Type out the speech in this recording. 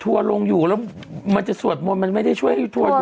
ลงอยู่แล้วมันจะสวดมนต์มันไม่ได้ช่วยให้ทัวร์อยู่